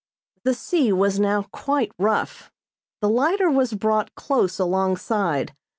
The sea was now quite rough. The lighter was brought close alongside.